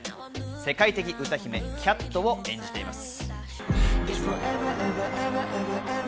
世界的歌姫キャットを演じています。